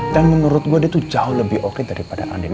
dan menurut gue dia tuh jauh lebih oke daripada andien